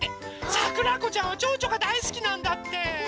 さくらこちゃんはちょうちょがだいすきなんだって。